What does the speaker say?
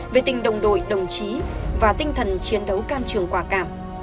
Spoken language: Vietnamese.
về tình đồng đội đồng chí và tinh thần chiến đấu can trường quả cảm